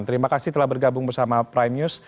terima kasih telah bergabung bersama prime news